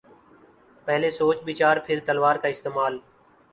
پہلے سوچ بچار پھر تلوار کااستعمال۔